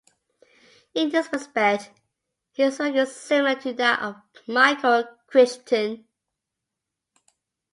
In this respect, his work is similar to that of Michael Crichton.